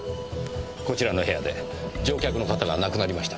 こちらの部屋で乗客の方が亡くなりました。